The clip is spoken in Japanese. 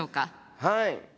はい。